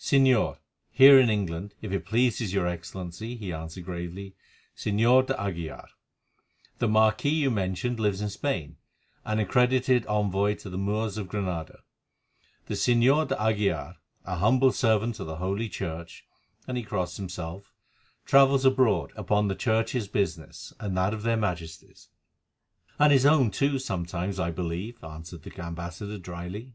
"Señor, here in England, if it pleases your Excellency," he answered gravely, "Señor d'Aguilar. The marquis you mentioned lives in Spain—an accredited envoy to the Moors of Granada; the Señor d'Aguilar, a humble servant of Holy Church," and he crossed himself, "travels abroad—upon the Church's business, and that of their Majesties'." "And his own too, sometimes, I believe," answered the ambassador drily.